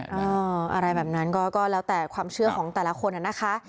อะไรแบบนั้นก็แล้วแต่ความเชื่อของแต่ละคนนะคะ